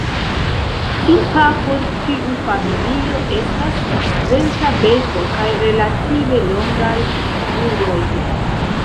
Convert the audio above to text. Tipa por tiu familio estas svelta beko kaj relative longaj kruroj.